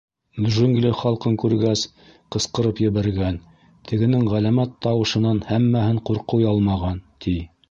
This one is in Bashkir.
Джунгли халҡын күргәс, ҡысҡырып ебәргән, тегенең ғәләмәт тауышынан һәммәһен ҡурҡыу ялмаған, ти.